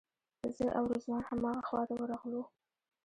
زه او رضوان همغه خواته ورغلو.